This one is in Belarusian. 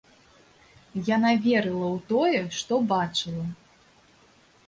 Яна верыла ў тое, што бачыла.